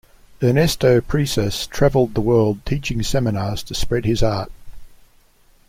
Ernesto Presas traveled the world teaching seminars to spread his art.